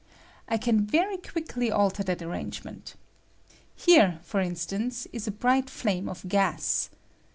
I can very quiekly alter that arrange ment. Here, for instance, is a bright flame of gas.